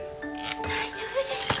大丈夫ですか。